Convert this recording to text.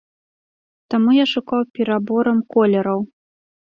Таму я шукаў пераборам колераў.